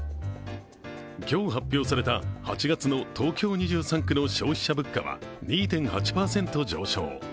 今日発表された８月の東京２３区の消費者物価は２．８％上昇。